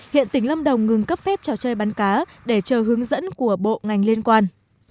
hiện tỉnh lâm đồng ngừng cấp phép trò chơi bắn cá để chờ hướng dẫn của bộ ngành liên quan